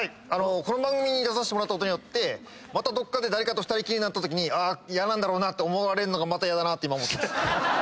この番組に出たことによってまたどっかで誰かと２人きりになったとき嫌なんだろうなって思われるのがまたヤダなって今思ってます。